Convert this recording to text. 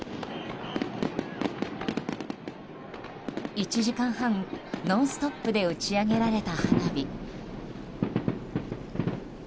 １時間半ノンストップで打ち上げられた花火。